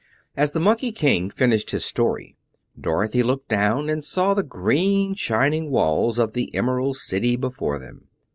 As the Monkey King finished his story Dorothy looked down and saw the green, shining walls of the Emerald City before them.